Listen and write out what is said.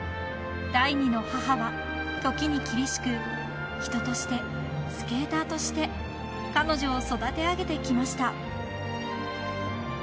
［第二の母は時に厳しく人としてスケーターとして彼女を育て上げてきました］